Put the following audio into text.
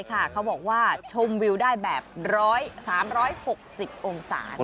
เขาบอกว่าชมวิวได้แบบ๑๓๖๐องศา